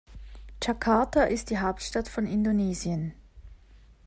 Jakarta ist die Hauptstadt von Indonesien.